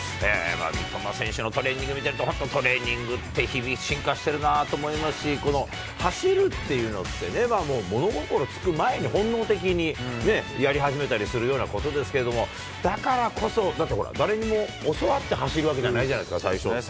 三笘選手のトレーニング見てると、本当、トレーニングって日々進化してるなと思いますし、この走るっていうのって、物心つく前に本能的にやり始めたりするようなことですけれども、だからこそ、だってほら、誰にも教わって走るわけじゃないじゃないですか、最初って。